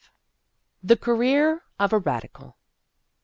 V. THE CAREER OF A RADICAL.